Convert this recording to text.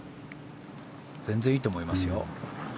全然いいと思いますよ。